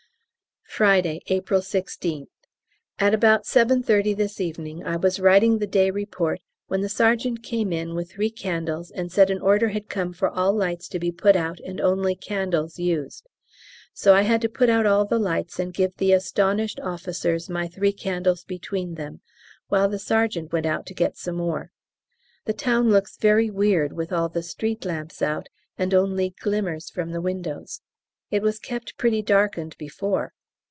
Friday, April 16th. At about 7.30 this evening I was writing the day report when the sergeant came in with three candles and said an order had come for all lights to be put out and only candles used. So I had to put out all the lights and give the astonished officers my three candles between them, while the sergeant went out to get some more. The town looks very weird with all the street lamps out and only glimmers from the windows. It was kept pretty darkened before.